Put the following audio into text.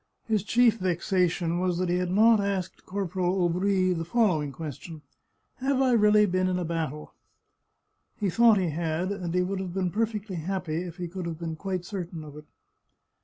His chief vexation was that he had not asked Corporal Aubry the following question :" Have I really been in a battle ?" He thought he had, and he would have been perfectly happy if he could have been quite certain of it.